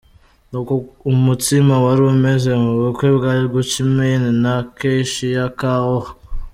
Ni uku umutsima wari umeze mu bukwe bwa Gucci Mane na Keyshia Ka'oir.